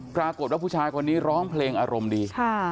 ปรากฏว่าผู้ชายคนนี้ร้องเพลงอารมณ์ดี